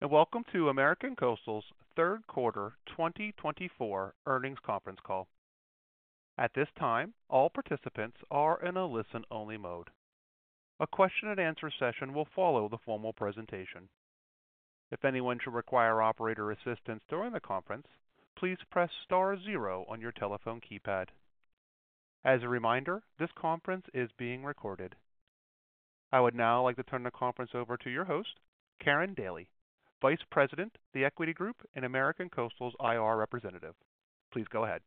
Welcome to American Coastal's Third Quarter 2024 Earnings Conference Call. At this time, all participants are in a listen-only mode. A question-and-answer session will follow the formal presentation. If anyone should require operator assistance during the conference, please press star zero on your telephone keypad. As a reminder, this conference is being recorded. I would now like to turn the conference over to your host, Karin Daly, Vice President, The Equity Group, and American Coastal's IR Representative. Please go ahead.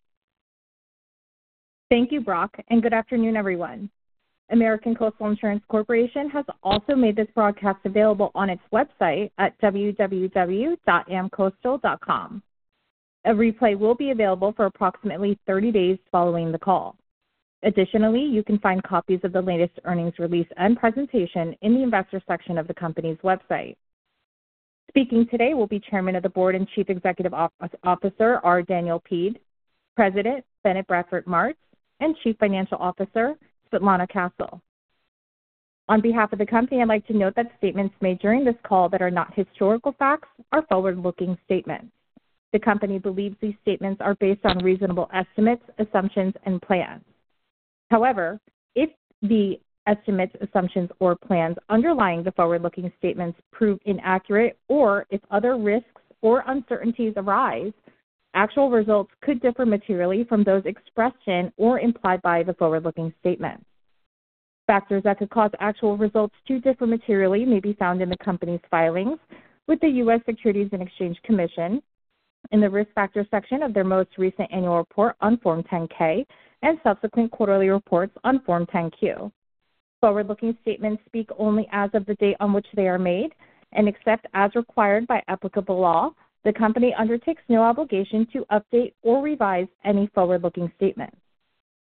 Thank you, Brock, and good afternoon, everyone. American Coastal Insurance Corporation has also made this broadcast available on its website at www.amcoastal.com. A replay will be available for approximately 30 days following the call. Additionally, you can find copies of the latest earnings release and presentation in the investor section of the company's website. Speaking today will be Chairman of the Board and Chief Executive Officer, R. Daniel Peed, President, Bennett Bradford Martz, and Chief Financial Officer, Svetlana Castle. On behalf of the company, I'd like to note that statements made during this call that are not historical facts are forward-looking statements. The company believes these statements are based on reasonable estimates, assumptions, and plans. However, if the estimates, assumptions, or plans underlying the forward-looking statements prove inaccurate or if other risks or uncertainties arise, actual results could differ materially from those expressed in or implied by the forward-looking statement. Factors that could cause actual results to differ materially may be found in the company's filings with the U.S. Securities and Exchange Commission in the risk factor section of their most recent annual report on Form 10-K and subsequent quarterly reports on Form 10-Q. Forward-looking statements speak only as of the date on which they are made, except as required by applicable law. The company undertakes no obligation to update or revise any forward-looking statements.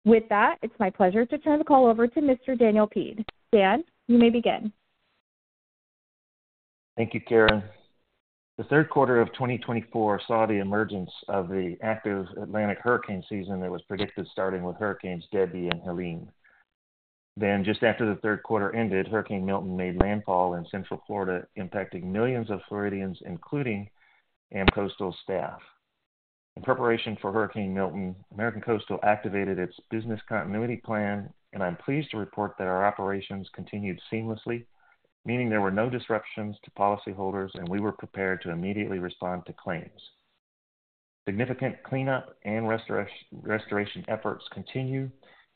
With that, it's my pleasure to turn the call over to Mr. Daniel Peed. Dan, you may begin. Thank you, Karin. The third quarter of 2024 saw the emergence of the active Atlantic hurricane season that was predicted starting with Hurricanes Debby and Helene. Then, just after the third quarter ended, Hurricane Milton made landfall in central Florida, impacting millions of Floridians, including American Coastal staff. In preparation for Hurricane Milton, American Coastal activated its business continuity plan, and I'm pleased to report that our operations continued seamlessly, meaning there were no disruptions to policyholders, and we were prepared to immediately respond to claims. Significant cleanup and restoration efforts continue,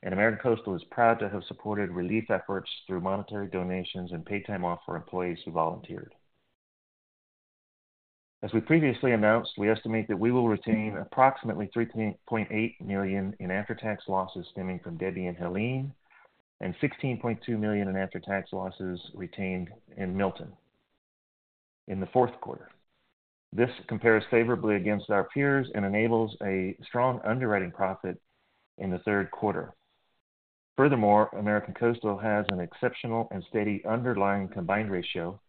and American Coastal is proud to have supported relief efforts through monetary donations and paid time off for employees who volunteered. As we previously announced, we estimate that we will retain approximately $3.8 million in after-tax losses stemming from Debby and Helene and $16.2 million in after-tax losses retained in Milton in the fourth quarter. This compares favorably against our peers and enables a strong underwriting profit in the third quarter. Furthermore, American Coastal has an exceptional and steady underlying combined ratio,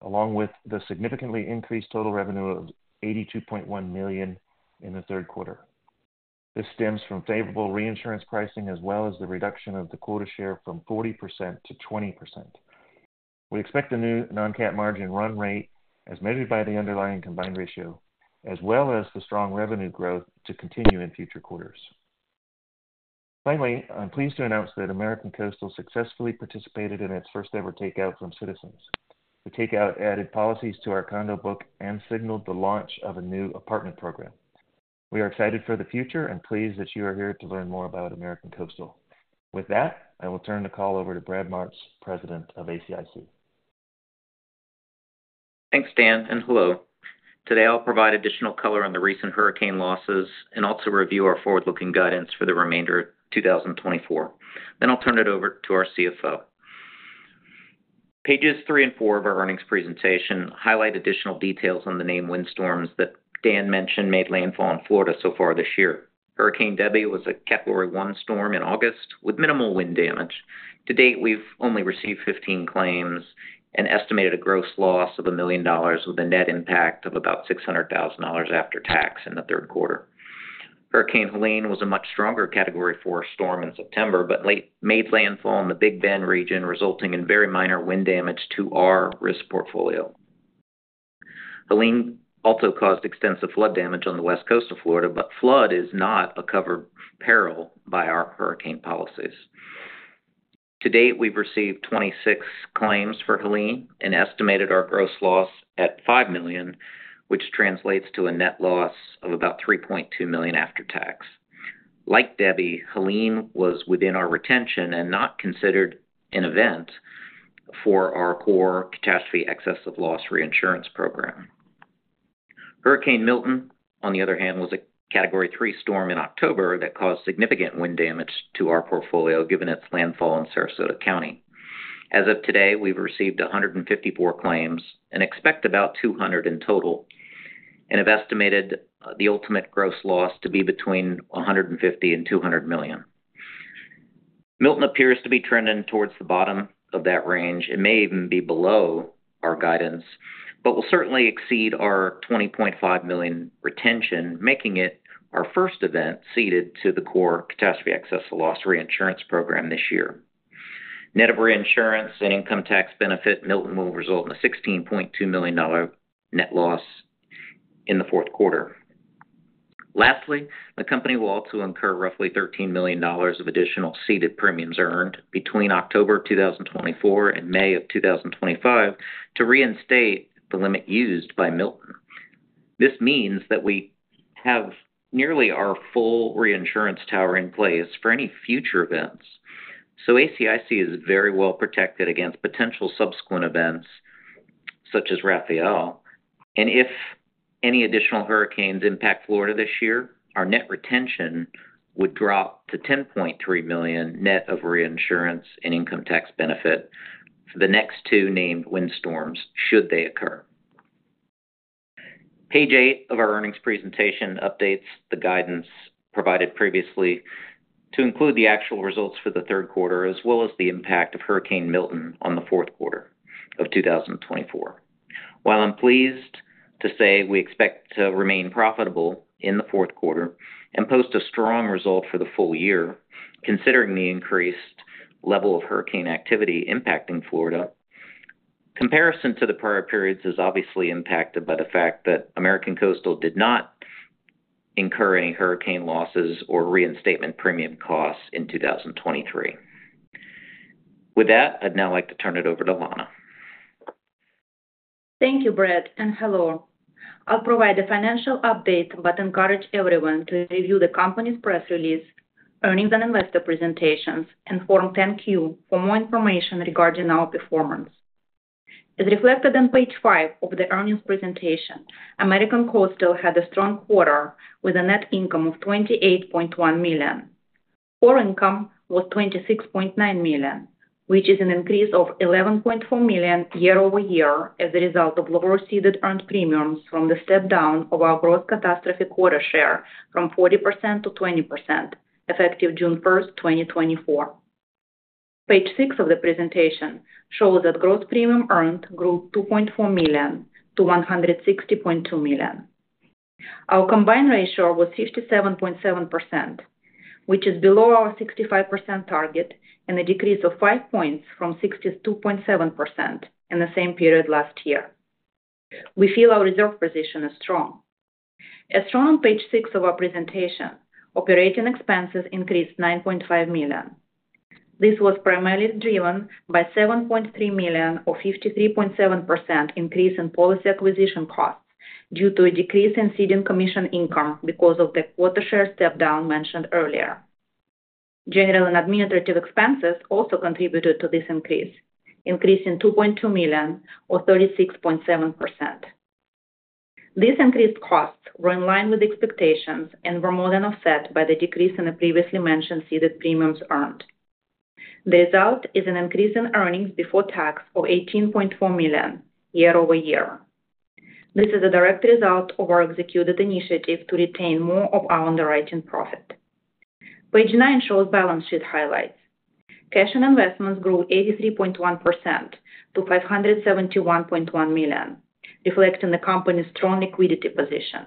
along with the significantly increased total revenue of $82.1 million in the third quarter. This stems from favorable reinsurance pricing as well as the reduction of the quota share from 40% to 20%. We expect a new non-cat margin run rate as measured by the underlying combined ratio, as well as the strong revenue growth to continue in future quarters. Finally, I'm pleased to announce that American Coastal successfully participated in its first-ever takeout from Citizens. The takeout added policies to our condo book and signaled the launch of a new apartment program. We are excited for the future and pleased that you are here to learn more about American Coastal. With that, I will turn the call over to Brad Martz, President of ACIC. Thanks, Dan, and hello. Today, I'll provide additional color on the recent hurricane losses and also review our forward-looking guidance for the remainder of 2024. Then I'll turn it over to our CFO. Pages three and four of our earnings presentation highlight additional details on the named windstorms that Dan mentioned made landfall in Florida so far this year. Hurricane Debby was a category one storm in August with minimal wind damage. To date, we've only received 15 claims and estimated a gross loss of $1 million with a net impact of about $600,000 after tax in the third quarter. Hurricane Helene was a much stronger category four storm in September but made landfall in the Big Bend region, resulting in very minor wind damage to our risk portfolio. Helene also caused extensive flood damage on the west coast of Florida, but flood is not a covered peril by our hurricane policies. To date, we've received 26 claims for Helene and estimated our gross loss at $5 million, which translates to a net loss of about $3.2 million after tax. Like Debby, Helene was within our retention and not considered an event for our core catastrophe excess of loss reinsurance program. Hurricane Milton, on the other hand, was a category three storm in October that caused significant wind damage to our portfolio given its landfall in Sarasota County. As of today, we've received 154 claims and expect about 200 in total, and have estimated the ultimate gross loss to be between $150 million and $200 million. Milton appears to be trending towards the bottom of that range and may even be below our guidance, but will certainly exceed our $20.5 million retention, making it our first event ceded to the core catastrophe excess of loss reinsurance program this year. Net of reinsurance and income tax benefit, Milton will result in a $16.2 million net loss in the fourth quarter. Lastly, the company will also incur roughly $13 million of additional ceded premiums earned between October 2024 and May of 2025 to reinstate the limit used by Milton. This means that we have nearly our full reinsurance tower in place for any future events. So ACIC is very well protected against potential subsequent events such as Rafael. And if any additional hurricanes impact Florida this year, our net retention would drop to $10.3 million net of reinsurance and income tax benefit for the next two named windstorms should they occur. Page eight of our earnings presentation updates the guidance provided previously to include the actual results for the third quarter as well as the impact of Hurricane Milton on the fourth quarter of 2024. While I'm pleased to say we expect to remain profitable in the fourth quarter and post a strong result for the full year, considering the increased level of hurricane activity impacting Florida, comparison to the prior periods is obviously impacted by the fact that American Coastal did not incur any hurricane losses or reinstatement premium costs in 2023. With that, I'd now like to turn it over to Svetlana. Thank you, Brad, and hello. I'll provide a financial update but encourage everyone to review the company's press release, earnings and investor presentations, and Form 10-Q for more information regarding our performance. As reflected on page five of the earnings presentation, American Coastal had a strong quarter with a net income of $28.1 million. Core income was $26.9 million, which is an increase of $11.4 million year-over-year as a result of lower ceded earned premiums from the step down of our gross catastrophe quota share from 40% to 20% effective June 1st, 2024. Page six of the presentation shows that gross premium earned grew $2.4 million to $160.2 million. Our combined ratio was 57.7%, which is below our 65% target and a decrease of five points from 62.7% in the same period last year. We feel our reserve position is strong. As shown on page six of our presentation, operating expenses increased $9.5 million. This was primarily driven by $7.3 million or 53.7% increase in policy acquisition costs due to a decrease in ceding commission income because of the quota share step down mentioned earlier. General and administrative expenses also contributed to this increase, increasing $2.2 million or 36.7%. These increased costs were in line with expectations and were more than offset by the decrease in the previously mentioned ceded premiums earned. The result is an increase in earnings before tax of $18.4 million year-over-year. This is a direct result of our executed initiative to retain more of our underwriting profit. Page nine shows balance sheet highlights. Cash and investments grew 83.1% to $571.1 million, reflecting the company's strong liquidity position.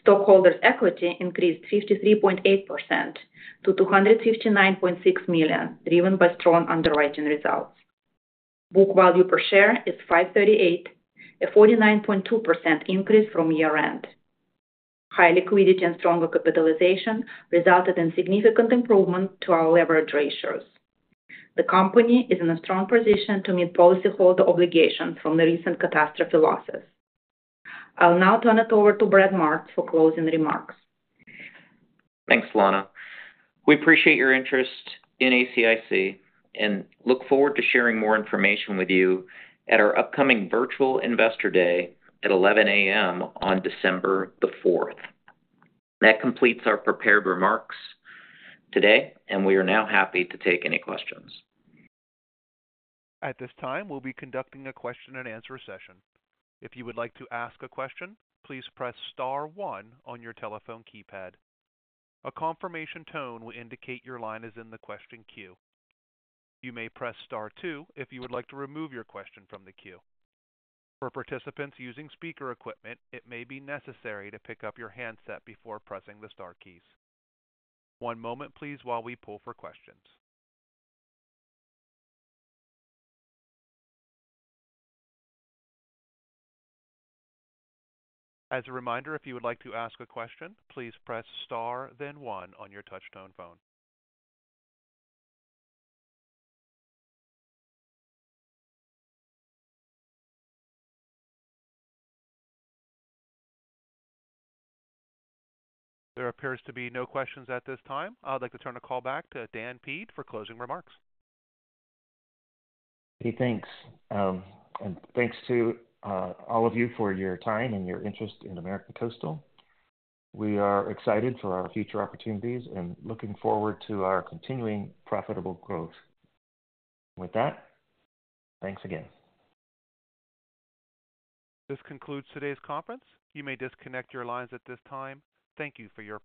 Stockholders' equity increased 53.8% to $259.6 million, driven by strong underwriting results. Book value per share is $5.38, a 49.2% increase from year-end. High liquidity and stronger capitalization resulted in significant improvement to our leverage ratios. The company is in a strong position to meet policyholder obligations from the recent catastrophe losses. I'll now turn it over to Brad Martz for closing remarks. Thanks, Svetlana. We appreciate your interest in ACIC and look forward to sharing more information with you at our upcoming virtual investor day at 11:00 A.M. on December the 4th. That completes our prepared remarks today, and we are now happy to take any questions. At this time, we'll be conducting a question-and-answer session. If you would like to ask a question, please press star one on your telephone keypad. A confirmation tone will indicate your line is in the question queue. You may press star two if you would like to remove your question from the queue. For participants using speaker equipment, it may be necessary to pick up your handset before pressing the star keys. One moment, please, while we poll for questions. As a reminder, if you would like to ask a question, please press star, then one on your touch-tone phone. There appears to be no questions at this time. I'd like to turn the call back to Dan Peed for closing remarks. Hey, thanks, and thanks to all of you for your time and your interest in American Coastal. We are excited for our future opportunities and looking forward to our continuing profitable growth. With that, thanks again. This concludes today's conference. You may disconnect your lines at this time. Thank you for your.